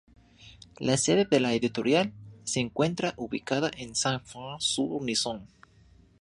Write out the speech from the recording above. La sede de la editorial se encuentra ubicada en Saint-Front-sur-Nizonne.